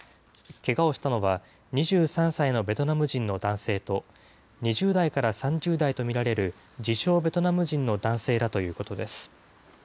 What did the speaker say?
けがをしたのは、２３歳のベトナム人の男性と２０代から３０代と見られる自称ベトナム人の男性だということです。